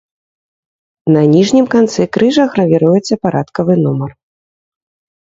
На ніжнім канцы крыжа гравіруецца парадкавы нумар.